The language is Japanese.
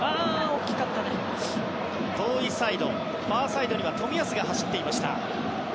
ファーサイドには冨安が走っていました。